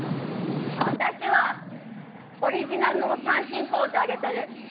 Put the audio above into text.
私はオリジナルの三振ポーズ上げてる。